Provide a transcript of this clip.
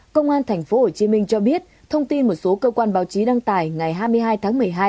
công an tp hcm cho biết thông tin một số cơ quan báo chí đăng tải ngày hai mươi hai tháng một mươi hai